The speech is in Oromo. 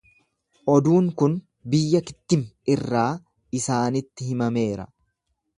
Oduun kun biyya Kittim irraa isaanitti himameera.